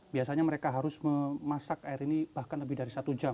biasanya mereka harus memasak air ini bahkan lebih dari satu jam